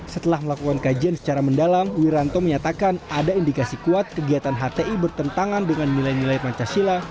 setelah melakukan kajian secara mendalam wiranto menyatakan ada indikasi kuat kegiatan hti bertentangan dengan nilai nilai pancasila